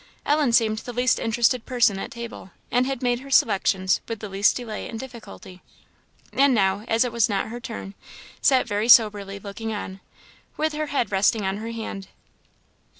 Ellen seemed the least interested person at table, and had made her selections with the least delay and difficulty; and now, as it was not her turn, sat very soberly looking on, with her head resting on her hand.